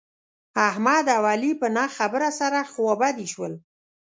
احمد او علي په نه خبره سره خوابدي شول.